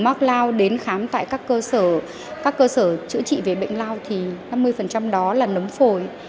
mắc lao đến khám tại các cơ sở chữa trị về bệnh lao thì năm mươi đó là nấm phổi